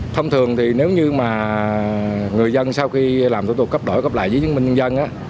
thông thường thì nếu như mà người dân sau khi làm thủ tục cấp đổi cấp lại giấy chứng minh nhân dân á